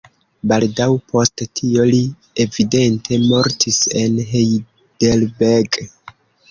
Baldaŭ post tio li evidente mortis en Heidelberg.